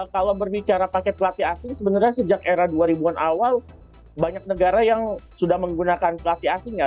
kalau berbicara pakai pelatih asing sebenarnya sejak era dua ribu an awal banyak negara yang sudah menggunakan pelatih asing ya